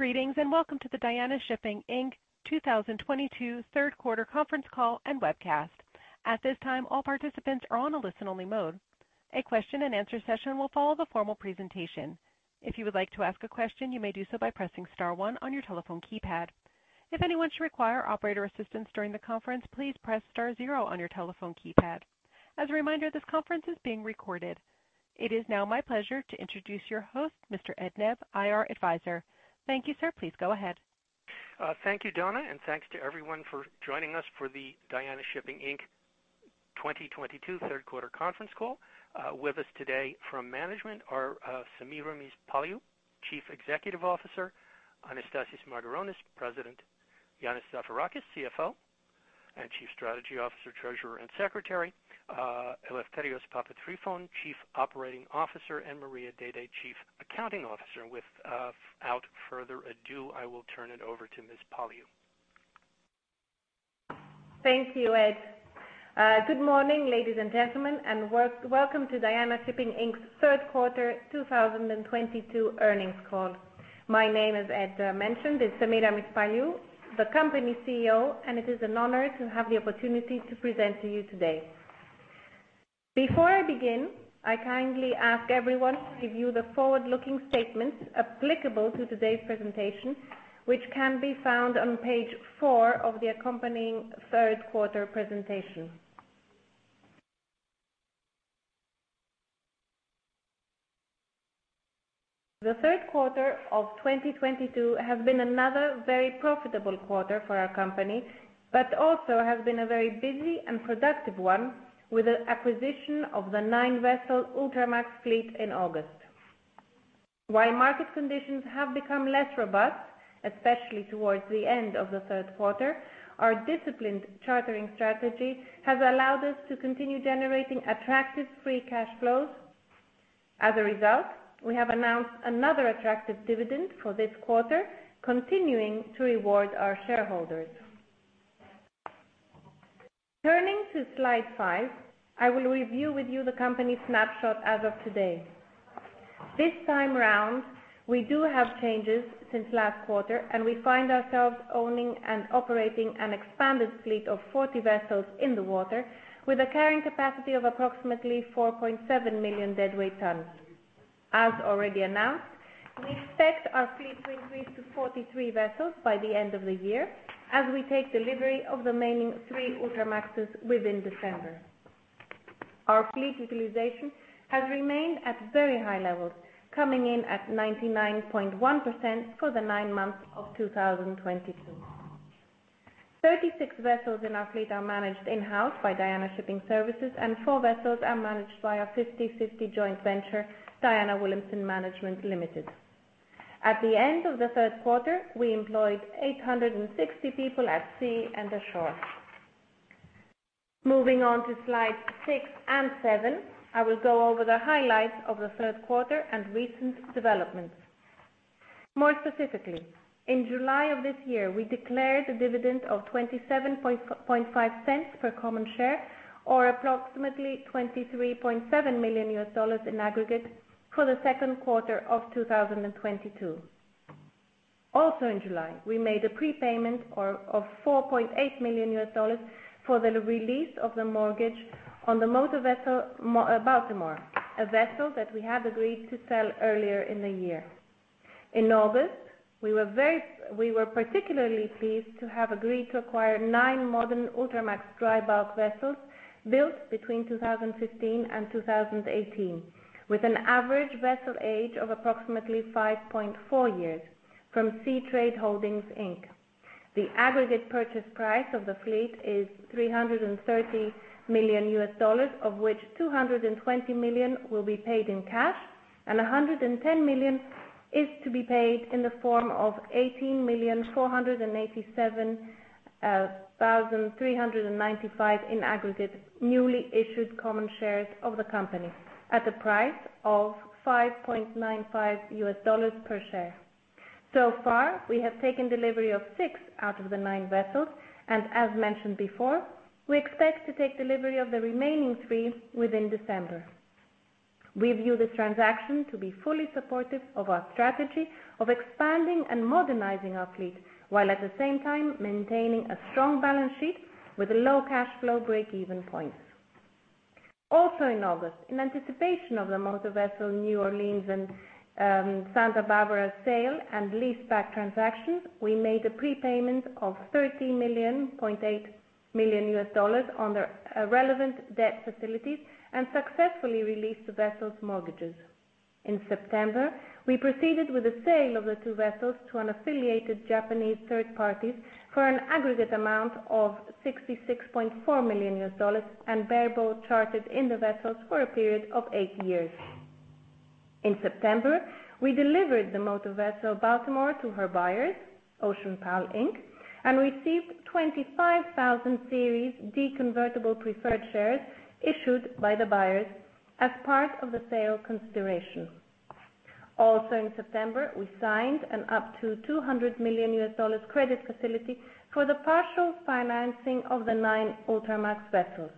Greetings, and welcome to the Diana Shipping Inc 2022 third quarter conference call and webcast. At this time, all participants are on a listen-only mode. A question-and-answer session will follow the formal presentation. If you would like to ask a question, you may do so by pressing star one on your telephone keypad. If anyone should require operator assistance during the conference, please press star zero on your telephone keypad. As a reminder, this conference is being recorded. It is now my pleasure to introduce your host, Mr. Ed Nebb, IR Advisor. Thank you, sir. Please go ahead. Thank you, Donna, and thanks to everyone for joining us for the Diana Shipping Inc. 2022 third quarter conference call. With us today from management are Semiramis Paliou, Chief Executive Officer, Anastasios Margaronis, President, Ioannis Zafirakis, CFO and Chief Strategy Officer, Treasurer and Secretary, Eleftherios Papatrifon, Chief Operating Officer, and Maria Dede, Chief Accounting Officer. Without further ado, I will turn it over to Ms. Paliou. Thank you, Ed. Good morning, ladies and gentlemen, and welcome to Diana Shipping Inc.'s third quarter 2022 earnings call. My name, as Ed mentioned, is Semiramis Paliou, the company CEO, and it is an honor to have the opportunity to present to you today. Before I begin, I kindly ask everyone to review the forward-looking statements applicable to today's presentation, which can be found on page four of the accompanying third quarter presentation. The third quarter of 2022 has been another very profitable quarter for our company, but also has been a very busy and productive one with the acquisition of the nine-vessel Ultramax fleet in August. While market conditions have become less robust, especially towards the end of the third quarter, our disciplined chartering strategy has allowed us to continue generating attractive free cash flows. As a result, we have announced another attractive dividend for this quarter, continuing to reward our shareholders. Turning to slide five, I will review with you the company snapshot as of today. This time around, we do have changes since last quarter, and we find ourselves owning and operating an expanded fleet of 40 vessels in the water with a carrying capacity of approximately 4.7 million deadweight tons. As already announced, we expect our fleet to increase to 43 vessels by the end of the year as we take delivery of the remaining three Ultramaxes within December. Our fleet utilization has remained at very high levels, coming in at 99.1% for the nine months of 2022. 36 vessels in our fleet are managed in-house by Diana Shipping Services, and four vessels are managed by our 50/50 joint venture, Diana Wilhelmsen Management Limited. At the end of the third quarter, we employed 860 people at sea and at shore. Moving on to slides six and seven, I will go over the highlights of the third quarter and recent developments. More specifically, in July of this year, we declared a dividend of $0.275 per common share or approximately $23.7 million in aggregate for the second quarter of 2022. Also in July, we made a prepayment of $4.8 million for the release of the mortgage on the motor vessel Baltimore, a vessel that we had agreed to sell earlier in the year. In August, we were particularly pleased to have agreed to acquire nine modern Ultramax dry bulk vessels built between 2015 and 2018, with an average vessel age of approximately 5.4 years from SeaTrade Holdings Inc. The aggregate purchase price of the fleet is $330 million, of which $220 million will be paid in cash and $110 million is to be paid in the form of 18,487,395 in aggregate newly issued common shares of the company at the price of $5.95 per share. So far, we have taken delivery of six out of the nine vessels, and as mentioned before, we expect to take delivery of the remaining three within December. We view this transaction to be fully supportive of our strategy of expanding and modernizing our fleet, while at the same time maintaining a strong balance sheet with a low cash flow break-even point. Also in August, in anticipation of the motor vessel New Orleans and Santa Barbara sale and leaseback transactions, we made a prepayment of $30.8 million on the relevant debt facilities and successfully released the vessels' mortgages. In September, we proceeded with the sale of the two vessels to an affiliated Japanese third party for an aggregate amount of $66.4 million and bareboat chartered in the vessels for a period of eight years. In September, we delivered the motor vessel Baltimore to her buyers, OceanPal Inc, and received 25,000 Series D Convertible Preferred Shares issued by the buyers as part of the sale consideration. Also in September, we signed an up to $200 million credit facility for the partial financing of the nine Ultramax vessels.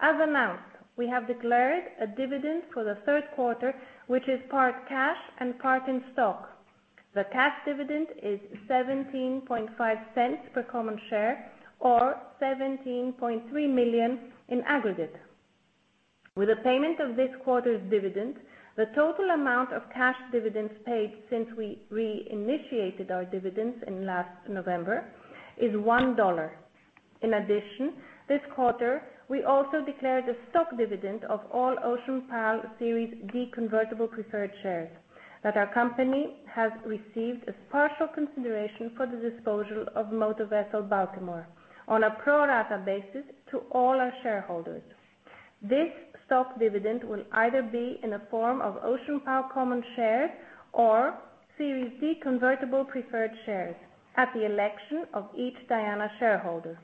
As announced, we have declared a dividend for the third quarter, which is part cash and part in stock. The cash dividend is $0.175 per common share or $17.3 million in aggregate. With the payment of this quarter's dividend, the total amount of cash dividends paid since we re-initiated our dividends in last November is $1. In addition, this quarter, we also declared a stock dividend of all OceanPal Series D Convertible Preferred Shares that our company has received as partial consideration for the disposal of motor vessel Baltimore on a pro rata basis to all our shareholders. This stock dividend will either be in the form of OceanPal common shares or Series D Convertible Preferred Shares at the election of each Diana shareholder.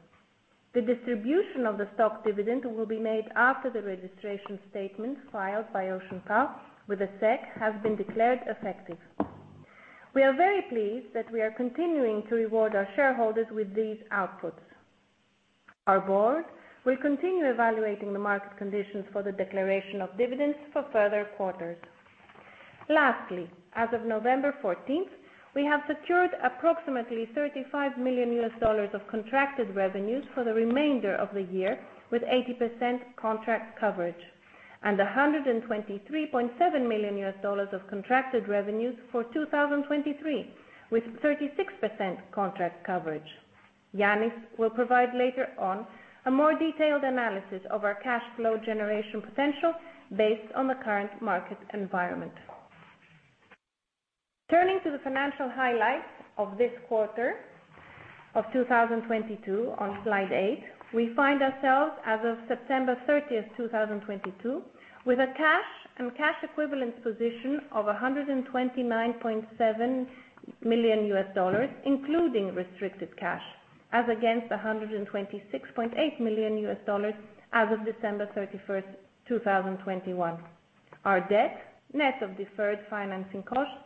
The distribution of the stock dividend will be made after the registration statement filed by OceanPal with the SEC has been declared effective. We are very pleased that we are continuing to reward our shareholders with these payouts. Our Board will continue evaluating the market conditions for the declaration of dividends for further quarters. Lastly, as of November 14th, we have secured approximately $35 million of contracted revenues for the remainder of the year, with 80% contract coverage and $123.7 million of contracted revenues for 2023, with 36% contract coverage. Ioannis will provide later on a more detailed analysis of our cash flow generation potential based on the current market environment. Turning to the financial highlights of this quarter of 2022 on slide eight, we find ourselves as of September 30th, 2022, with a cash and cash equivalents position of $129.7 million, including restricted cash, as against $126.8 million as of December 31st, 2021. Our debt, net of deferred financing costs,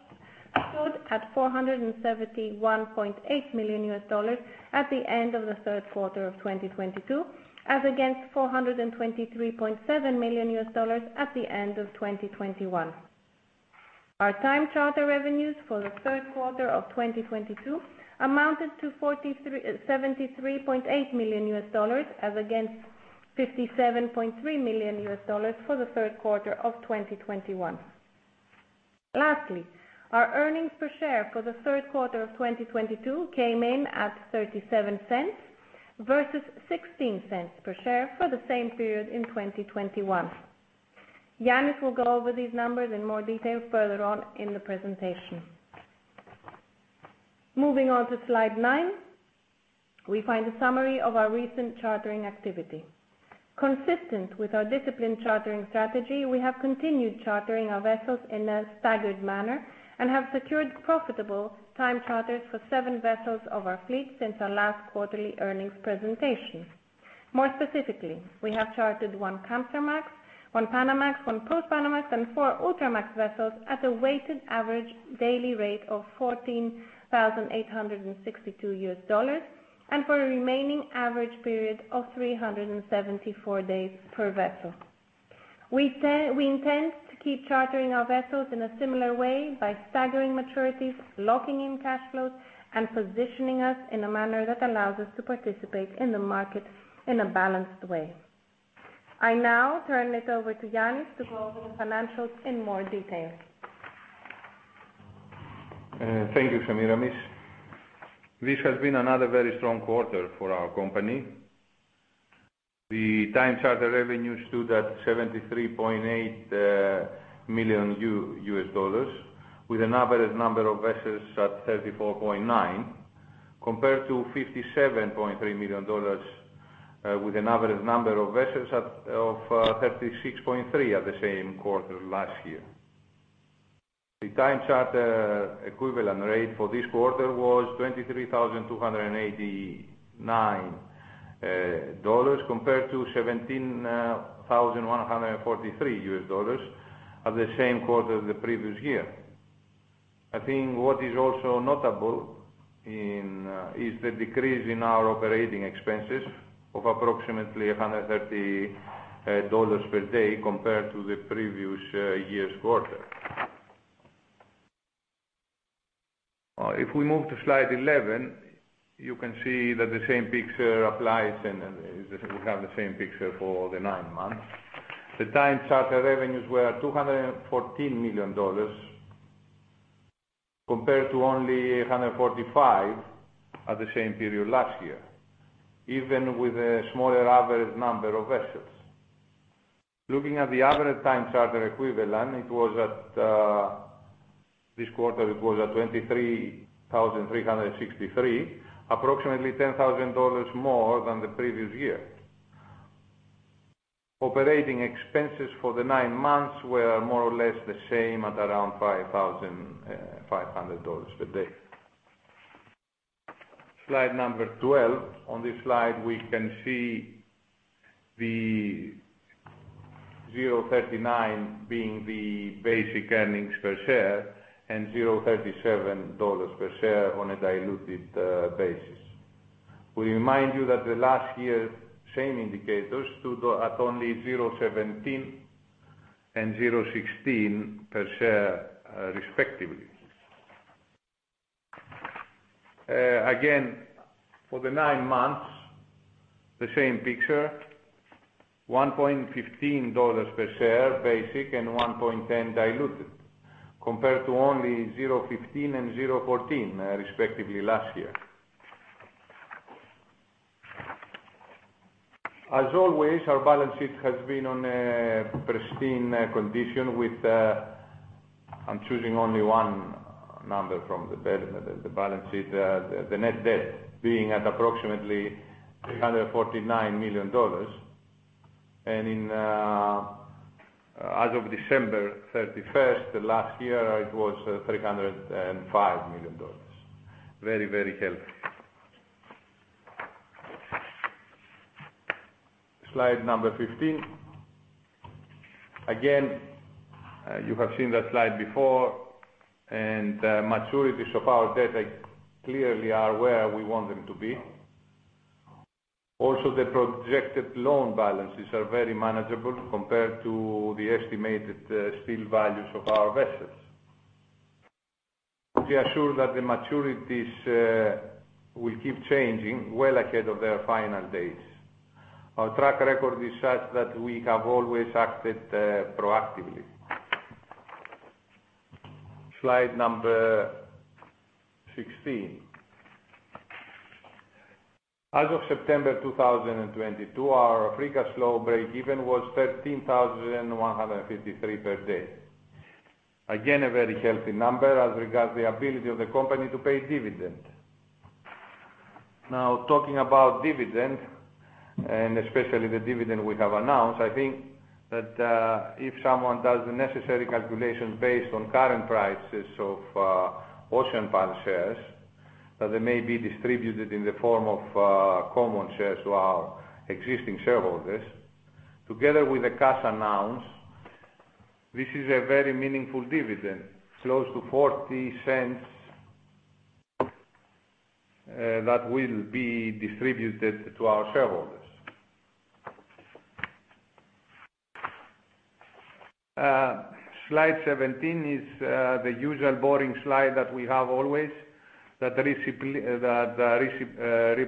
stood at $471.8 million at the end of the third quarter of 2022, as against $423.7 million at the end of 2021. Our time charter revenues for the third quarter of 2022 amounted to $73.8 million, as against $57.3 million for the third quarter of 2021. Lastly, our earnings per share for the third quarter of 2022 came in at $0.37 versus $0.16 per share for the same period in 2021. Ioannis Zafirakis will go over these numbers in more detail further on in the presentation. Moving on to slide nine, we find a summary of our recent chartering activity. Consistent with our disciplined chartering strategy, we have continued chartering our vessels in a staggered manner and have secured profitable time charters for seven vessels of our fleet since our last quarterly earnings presentation. More specifically, we have chartered one Kamsarmax, one Panamax, one Post-Panamax, and four Ultramax vessels at a weighted average daily rate of $14,862 and for a remaining average period of 374 days per vessel. We intend to keep chartering our vessels in a similar way by staggering maturities, locking in cash flows, and positioning us in a manner that allows us to participate in the market in a balanced way. I now turn it over to Ioannis to go over financials in more detail. Thank you, Semiramis Paliou. This has been another very strong quarter for our company. The time charter revenue stood at $73.8 million, with an average number of vessels at 34.9, compared to $57.3 million, with an average number of vessels of 36.3 at the same quarter last year. The time charter equivalent rate for this quarter was $23,289, compared to $17,143 at the same quarter the previous year. I think what is also notable is the decrease in our operating expenses of approximately $130 per day compared to the previous year's quarter. If we move to slide 11, you can see that the same picture applies and we have the same picture for the nine months. The time charter revenues were $214 million compared to only $145 at the same period last year, even with a smaller average number of vessels. Looking at the average time charter equivalent, this quarter it was at $23,363, approximately $10,000 more than the previous year. Operating expenses for the nine months were more or less the same at around $5,500 per day. Slide number 12. On this slide, we can see the $0.39 being the basic earnings per share and $0.37 per share on a diluted basis. We remind you that the last year same indicators stood at only $0.17 and $0.16 per share respectively. Again, for the nine months, the same picture, $1.15 per share basic and $1.10 diluted, compared to only $0.15 and $0.14 respectively last year. As always, our balance sheet has been on a pristine condition with I'm choosing only one number from the balance sheet. The net debt being at approximately $349 million. As of December 31st last year, it was $305 million. Very, very healthy. Slide number 15. Again, you have seen that slide before, and maturities of our debt clearly are where we want them to be. Also, the projected loan balances are very manageable compared to the estimated steel values of our vessels. We are sure that the maturities will keep changing well ahead of their final dates. Our track record is such that we have always acted proactively. Slide number 16. As of September 2022, our free cash flow break-even was $13,153 per day. Again, a very healthy number as regards the ability of the company to pay dividend. Now talking about dividend, and especially the dividend we have announced, I think that if someone does the necessary calculation based on current prices of OceanPal shares, that they may be distributed in the form of common shares to our existing shareholders. Together with the cash announced, this is a very meaningful dividend, close to $0.40 that will be distributed to our shareholders. Slide 17 is the usual boring slide that we have always that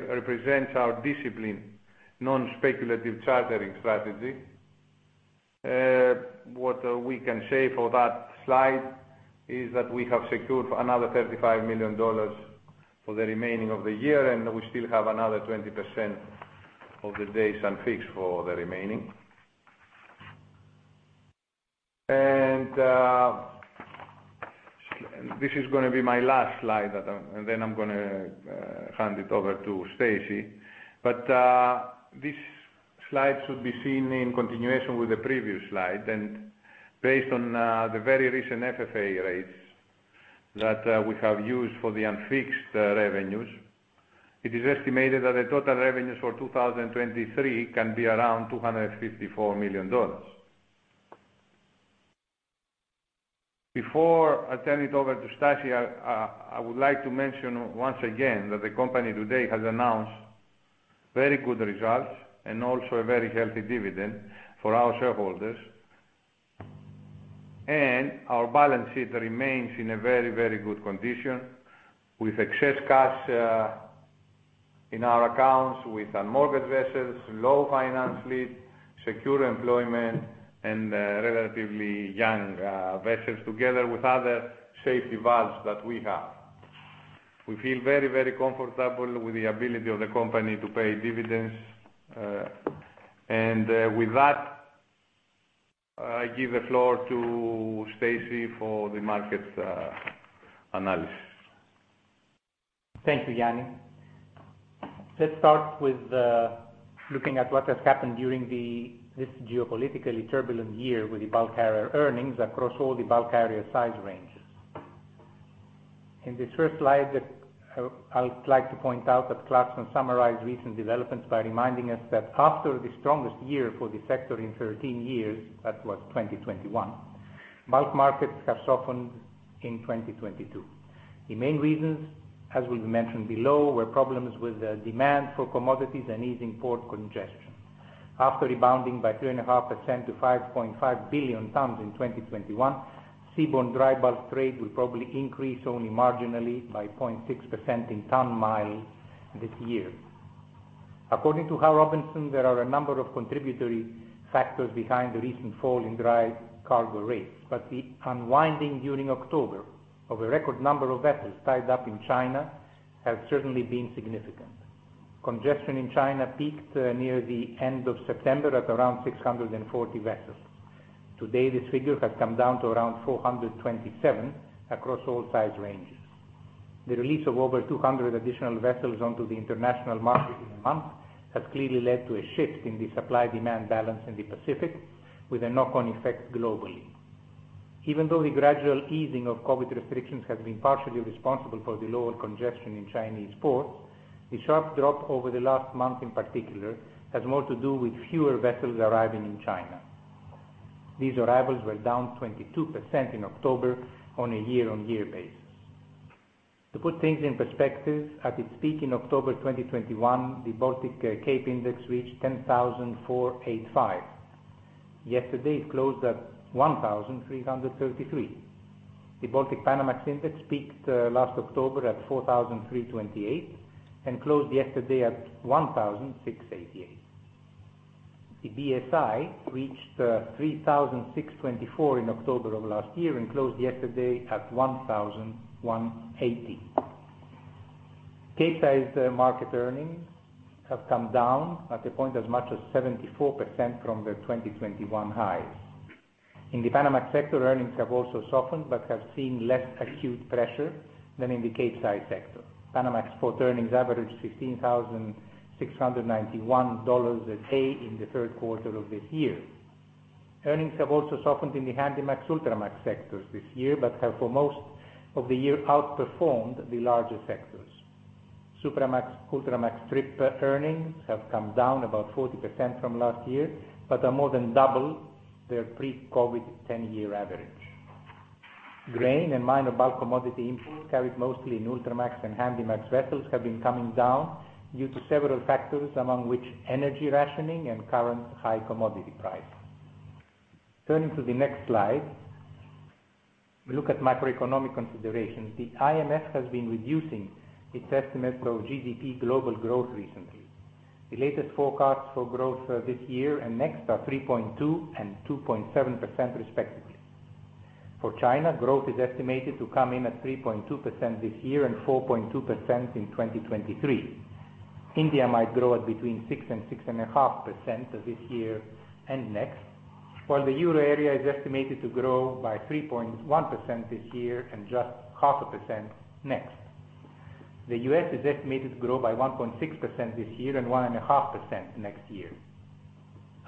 represents our discipline, non-speculative chartering strategy. What we can say for that slide is that we have secured another $35 million for the remaining of the year, and we still have another 20% of the days unfixed for the remaining. This is gonna be my last slide, and then I'm gonna hand it over to Stacy. This slide should be seen in continuation with the previous slide. Based on the very recent FFA rates that we have used for the unfixed revenues, it is estimated that the total revenues for 2023 can be around $254 million. Before I turn it over to Stacy, I would like to mention once again that the company today has announced very good results and also a very healthy dividend for our shareholders. Our balance sheet remains in a very, very good condition with excess cash in our accounts, with unmortgaged vessels, low finance debt, secure employment and relatively young vessels together with other safety valves that we have. We feel very, very comfortable with the ability of the company to pay dividends. With that, I give the floor to Stacy for the market analysis. Thank you, Yani. Let's start with looking at what has happened during this geopolitically turbulent year with the bulk carrier earnings across all the bulk carrier size ranges. In this first slide, I would like to point out that Clarksons summarized recent developments by reminding us that after the strongest year for the sector in 13 years, that was 2021, bulk markets have softened in 2022. The main reasons, as we mentioned below, were problems with the demand for commodities and easing port congestion. After rebounding by 3.5% to 5.5 billion tons in 2021, seaborne dry bulk trade will probably increase only marginally by 0.6% in ton-mile this year. According to Howe Robinson, there are a number of contributory factors behind the recent fall in dry cargo rates, but the unwinding during October of a record number of vessels tied up in China has certainly been significant. Congestion in China peaked near the end of September at around 640 vessels. Today, this figure has come down to around 427 across all size ranges. The release of over 200 additional vessels onto the international market in a month has clearly led to a shift in the supply-demand balance in the Pacific with a knock-on effect globally. Even though the gradual easing of COVID restrictions has been partially responsible for the lower congestion in Chinese ports, the sharp drop over the last month in particular has more to do with fewer vessels arriving in China. These arrivals were down 22% in October on a year-on-year basis. To put things in perspective, at its peak in October 2021, the Baltic Capesize Index reached 10,485. Yesterday, it closed at 1,333. The Baltic Panamax Index peaked last October at 4,328 and closed yesterday at 1,688. The BSI reached 3,624 in October of last year and closed yesterday at 1,180. Capesize market earnings have come down at one point as much as 74% from the 2021 highs. In the Panamax sector, earnings have also softened, but have seen less acute pressure than in the Capesize sector. Panamax spot earnings averaged $15,691 a day in the third quarter of the year. Earnings have also softened in the Handymax, Ultramax sectors this year, but have for most of the year outperformed the larger sectors. Supramax, Ultramax trip earnings have come down about 40% from last year, but are more than double their pre-COVID 10-year average. Grain and minor bulk commodity imports carried mostly in Ultramax and Handymax vessels have been coming down due to several factors, among which energy rationing and current high commodity price. Turning to the next slide, we look at macroeconomic considerations. The IMF has been reducing its estimates of GDP global growth recently. The latest forecasts for growth this year and next are 3.2% and 2.7% respectively. For China, growth is estimated to come in at 3.2% this year and 4.2% in 2023. India might grow at between 6% and 6.5% this year and next, while the euro area is estimated to grow by 3.1% this year and just half a percent next. The U.S. is estimated to grow by 1.6% this year and 1.5% next year.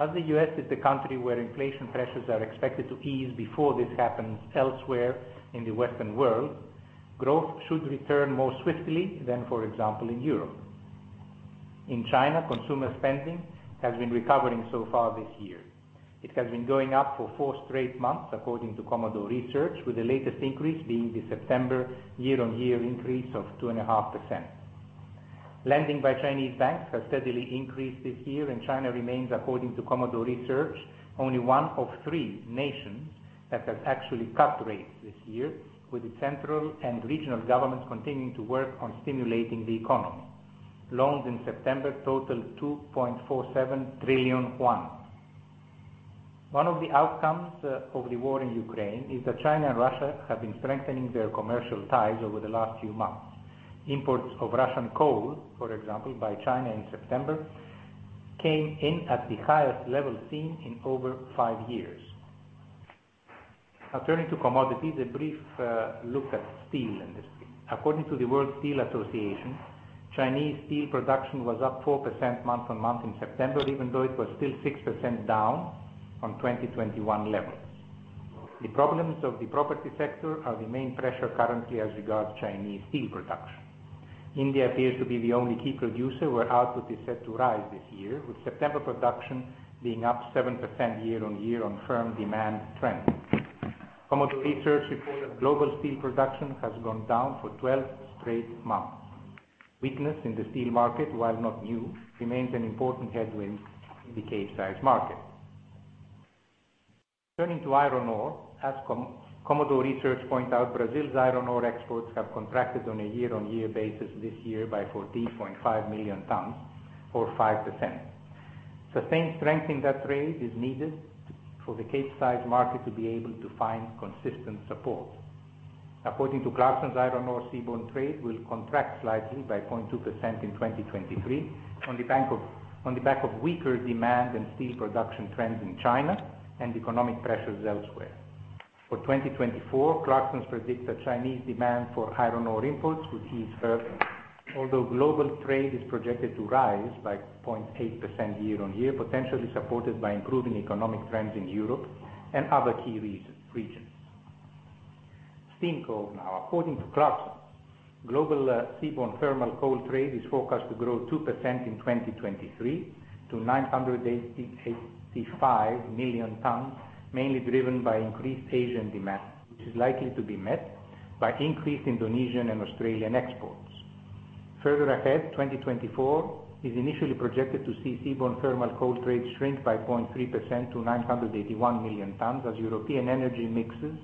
As the U.S. is the country where inflation pressures are expected to ease before this happens elsewhere in the Western world, growth should return more swiftly than, for example, in Europe. In China, consumer spending has been recovering so far this year. It has been going up for four straight months, according to Commodore Research, with the latest increase being the September year-on-year increase of 2.5%. Lending by Chinese banks has steadily increased this year, and China remains, according to Commodore Research, only one of three nations that has actually cut rates this year, with the central and regional governments continuing to work on stimulating the economy. Loans in September totaled CNY 2.47 trillion. One of the outcomes of the war in Ukraine is that China and Russia have been strengthening their commercial ties over the last few months. Imports of Russian coal, for example, by China in September, came in at the highest level seen in over five years. Now turning to commodities, a brief look at steel industry. According to the World Steel Association, Chinese steel production was up 4% month-on-month in September, even though it was still 6% down from 2021 levels. The problems of the property sector are the main pressure currently as regards Chinese steel production. India appears to be the only key producer where output is set to rise this year, with September production being up 7% year-on-year on firm demand trends. Commodore Research report that global steel production has gone down for 12 straight months. Weakness in the steel market, while not new, remains an important headwind in the Capesize market. Turning to iron ore, as Commodore Research point out, Brazil's iron ore exports have contracted on a year-on-year basis this year by 14.5 million tons or 5%. Sustained strength in that trade is needed for the Capesize market to be able to find consistent support. According to Clarksons, iron ore seaborne trade will contract slightly by 0.2% in 2023 on the back of weaker demand and steel production trends in China and economic pressures elsewhere. For 2024, Clarksons predicts that Chinese demand for iron ore imports will ease further. Although global trade is projected to rise by 0.8% year-over-year, potentially supported by improving economic trends in Europe and other key regions. Steam coal now. According to Clarksons, global seaborne thermal coal trade is forecast to grow 2% in 2023 to 985 million tons, mainly driven by increased Asian demand, which is likely to be met by increased Indonesian and Australian exports. Further ahead, 2024 is initially projected to see seaborne thermal coal trade shrink by 0.3% to 981 million tons as European energy mixes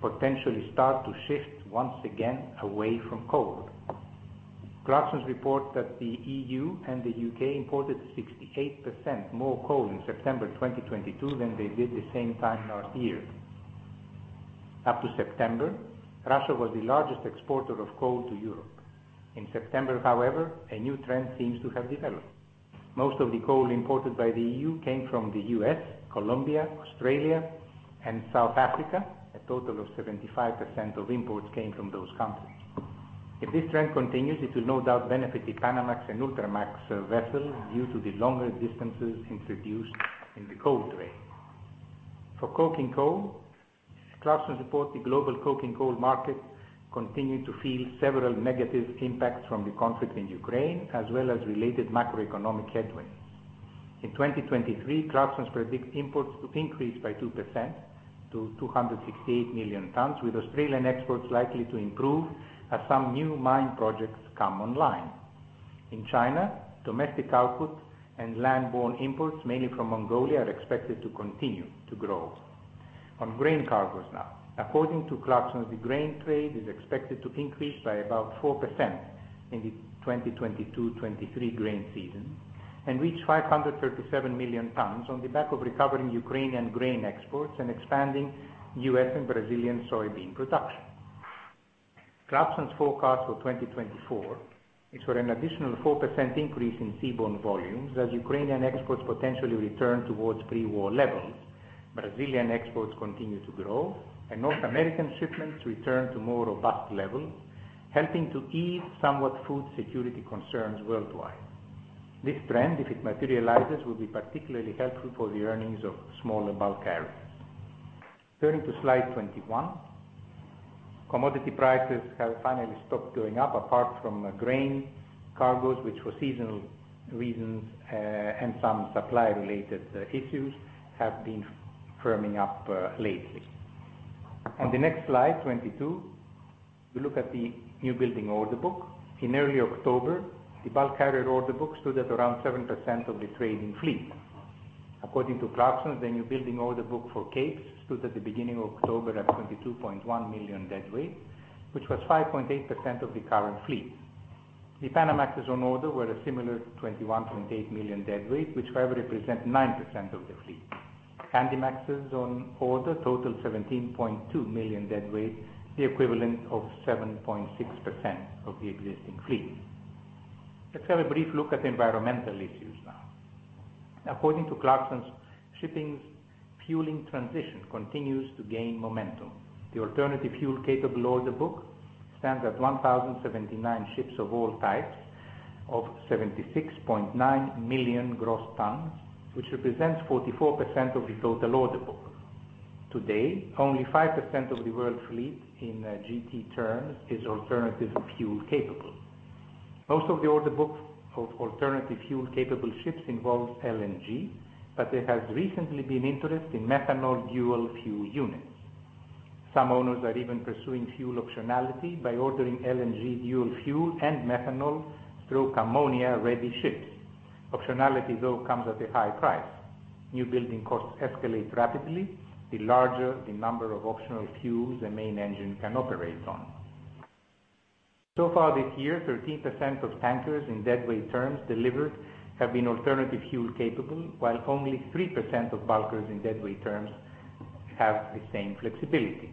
potentially start to shift once again away from coal. Clarksons reports that the EU and the U.K. imported 68% more coal in September 2022 than they did the same time last year. Up to September, Russia was the largest exporter of coal to Europe. In September, however, a new trend seems to have developed. Most of the coal imported by the EU came from the U.S., Colombia, Australia, and South Africa. A total of 75% of imports came from those countries. If this trend continues, it will no doubt benefit the Panamax and Ultramax vessels due to the longer distances introduced in the coal trade. For coking coal, Clarksons reports the global coking coal market continued to feel several negative impacts from the conflict in Ukraine, as well as related macroeconomic headwinds. In 2023, Clarksons predicts imports to increase by 2% to 268 million tons, with Australian exports likely to improve as some new mine projects come online. In China, domestic output and land-borne imports, mainly from Mongolia, are expected to continue to grow. On grain cargoes now. According to Clarksons, the grain trade is expected to increase by about 4% in the 2022-2023 grain season and reach 537 million tons on the back of recovering Ukrainian grain exports and expanding U.S. and Brazilian soybean production. Clarksons' forecast for 2024 is for an additional 4% increase in seaborne volumes as Ukrainian exports potentially return towards pre-war levels. Brazilian exports continue to grow and North American shipments return to more robust levels, helping to ease somewhat food security concerns worldwide. This trend, if it materializes, will be particularly helpful for the earnings of smaller bulk carriers. Turning to slide 21. Commodity prices have finally stopped going up, apart from grain cargoes, which for seasonal reasons and some supply-related issues, have been firming up lately. On the next slide, 22, we look at the newbuilding order book. In early October, the bulk carrier order book stood at around 7% of the trading fleet. According to Clarksons, the newbuilding order book for Capes stood at the beginning of October at 22.1 million deadweight, which was 5.8% of the current fleet. The Panamaxes on order were a similar 21.8 million deadweight, which however represent 9% of the fleet. Handymaxes on order total 17.2 million deadweight, the equivalent of 7.6% of the existing fleet. Let's have a brief look at environmental issues now. According to Clarksons, shipping's fueling transition continues to gain momentum. The alternative-fuel-capable order book stands at 1,079 ships of all types of 76.9 million gross tons, which represents 44% of the total order book. Today, only 5% of the world fleet in G.T. terms is alternative-fuel-capable. Most of the order book of alternative-fuel-capable ships involves LNG, but there has recently been interest in methanol dual-fuel units. Some owners are even pursuing fuel optionality by ordering LNG dual-fuel and methanol through ammonia-ready ships. Optionality, though, comes at a high price. New building costs escalate rapidly the larger the number of optional fuels the main engine can operate on. So far this year, 13% of tankers in deadweight terms delivered have been alternative fuel capable, while only 3% of bulkers in deadweight terms have the same flexibility.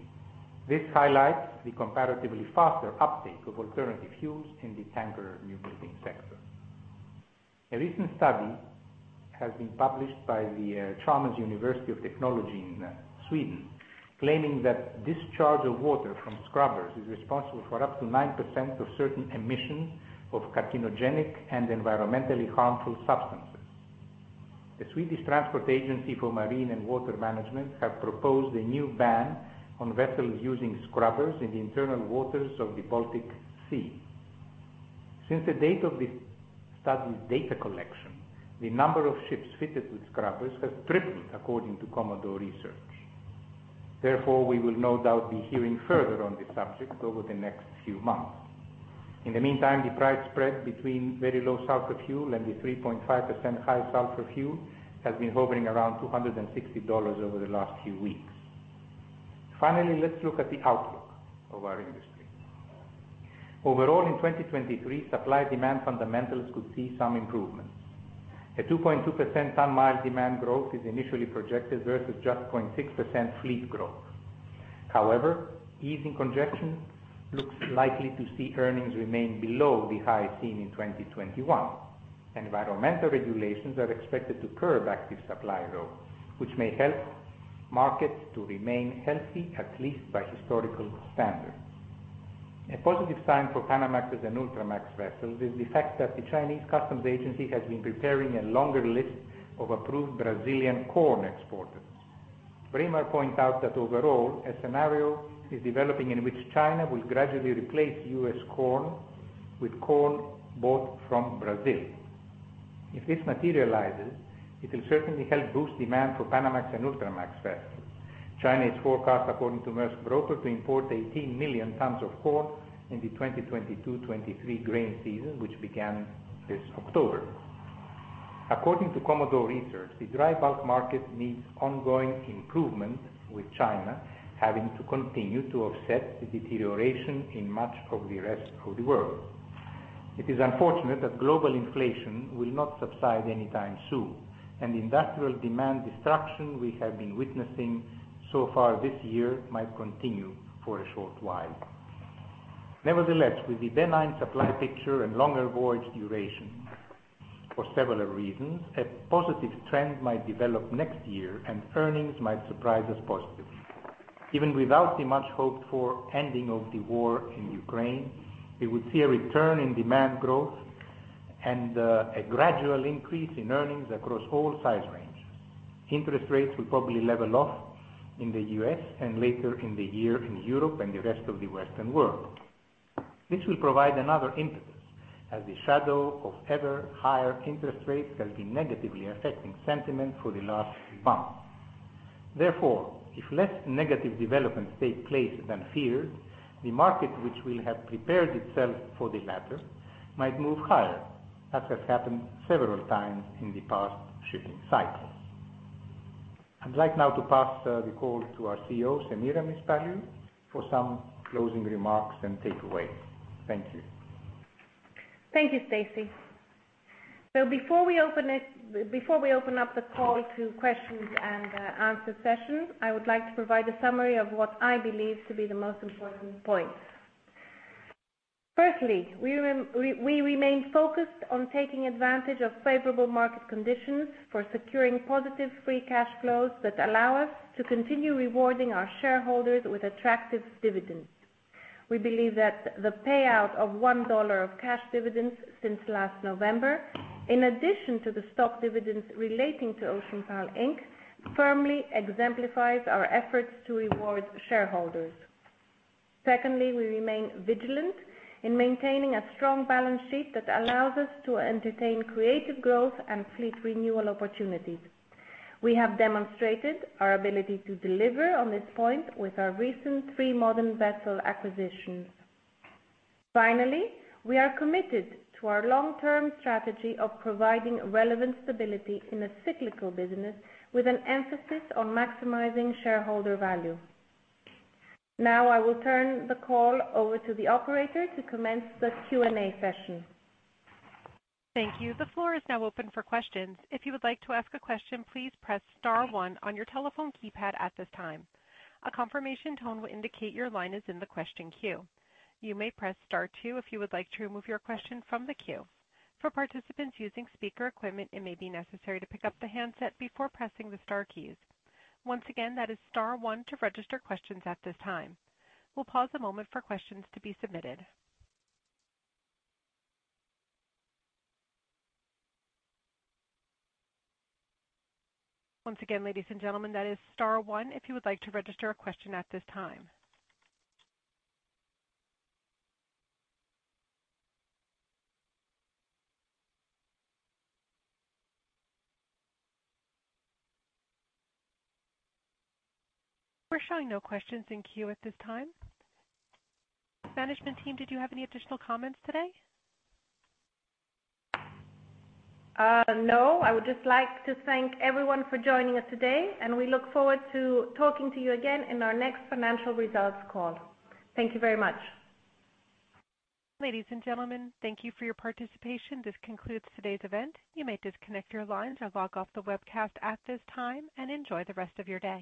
This highlights the comparatively faster uptake of alternative fuels in the tanker new building sector. A recent study has been published by the Chalmers University of Technology in Sweden, claiming that discharge of water from scrubbers is responsible for up to 9% of certain emissions of carcinogenic and environmentally harmful substances. The Swedish Agency for Marine and Water Management have proposed a new ban on vessels using scrubbers in the internal waters of the Baltic Sea. Since the date of this study's data collection, the number of ships fitted with scrubbers has tripled, according to Commodore Research. Therefore, we will no doubt be hearing further on this subject over the next few months. In the meantime, the price spread between very low sulfur fuel and the 3.5% high sulfur fuel has been hovering around $260 over the last few weeks. Finally, let's look at the outlook of our industry. Overall, in 2023, supply demand fundamentals could see some improvements. A 2.2% ton-mile demand growth is initially projected versus just 0.6% fleet growth. However, easing congestion looks likely to see earnings remain below the highs seen in 2021. Environmental regulations are expected to curb active supply though, which may help markets to remain healthy, at least by historical standards. A positive sign for Panamax and Ultramax vessels is the fact that the Chinese customs agency has been preparing a longer list of approved Brazilian corn exporters. Braemar points out that overall, a scenario is developing in which China will gradually replace U.S. corn with corn bought from Brazil. If this materializes, it will certainly help boost demand for Panamax and Ultramax vessels. China is forecast, according to Maersk Broker, to import 18 million tons of corn in the 2022-2023 grain season, which began this October. According to Commodore Research, the dry bulk market needs ongoing improvement, with China having to continue to offset the deterioration in much of the rest of the world. It is unfortunate that global inflation will not subside anytime soon, and the industrial demand destruction we have been witnessing so far this year might continue for a short while. Nevertheless, with the benign supply picture and longer voyage duration, for several reasons, a positive trend might develop next year and earnings might surprise us positively. Even without the much-hoped-for ending of the war in Ukraine, we would see a return in demand growth and a gradual increase in earnings across all size ranges. Interest rates will probably level off in the U.S. and later in the year in Europe and the rest of the Western world. This will provide another impetus as the shadow of ever higher interest rates has been negatively affecting sentiment for the last months. Therefore, if less negative developments take place than feared, the market, which will have prepared itself for the latter, might move higher, as has happened several times in the past shipping cycles. I'd like now to pass the call to our CEO, Semiramis Paliou, for some closing remarks and takeaways. Thank you. Thank you, Stacey. Before we open up the call to questions and answer sessions, I would like to provide a summary of what I believe to be the most important points. Firstly, we remain focused on taking advantage of favorable market conditions for securing positive free cash flows that allow us to continue rewarding our shareholders with attractive dividends. We believe that the payout of $1 of cash dividends since last November, in addition to the stock dividends relating to OceanPal Inc., firmly exemplifies our efforts to reward shareholders. Secondly, we remain vigilant in maintaining a strong balance sheet that allows us to entertain creative growth and fleet renewal opportunities. We have demonstrated our ability to deliver on this point with our recent three modern vessel acquisitions. Finally, we are committed to our long-term strategy of providing relative stability in a cyclical business with an emphasis on maximizing shareholder value. Now I will turn the call over to the operator to commence the Q&A session. Thank you. The floor is now open for questions. If you would like to ask a question, please press star one on your telephone keypad at this time. A confirmation tone will indicate your line is in the question queue. You may press star two if you would like to remove your question from the queue. For participants using speaker equipment, it may be necessary to pick up the handset before pressing the star keys. Once again, that is star one to register questions at this time. We'll pause a moment for questions to be submitted. Once again, ladies and gentlemen, that is star one if you would like to register a question at this time. We're showing no questions in queue at this time. Management team, did you have any additional comments today? No. I would just like to thank everyone for joining us today, and we look forward to talking to you again in our next financial results call. Thank you very much. Ladies and gentlemen, thank you for your participation. This concludes today's event. You may disconnect your lines or log off the webcast at this time and enjoy the rest of your day.